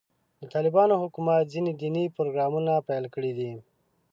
د طالبانو حکومت ځینې دیني پروګرامونه پیل کړي دي.